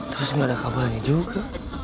terus nggak ada kabelnya juga